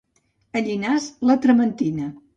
A Llinars la trementina